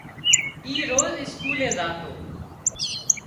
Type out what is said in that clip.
اِي روز اسڪولي زاتو